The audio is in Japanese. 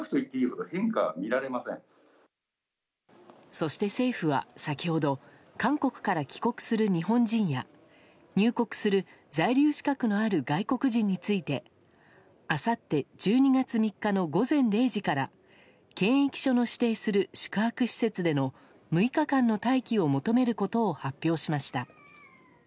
そして政府は先ほど韓国から帰国する日本人や入国する在留資格のある外国人についてあさって１２月３日の午前０時から検疫所の指定する宿泊施設での６日間の待機を求めることを発表しました。